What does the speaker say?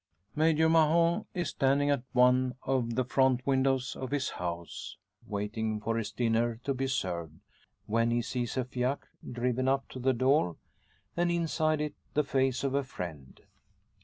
Major Mahon is standing at one of the front windows of his house waiting for his dinner to be served, when he sees a fiacre driven up to the door, and inside it the face of a friend.